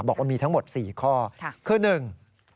บอกว่ามีทั้งหมดสี่ข้อคือหนึ่ง